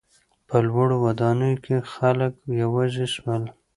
په لوړو ودانیو کې خلک یوازې سول.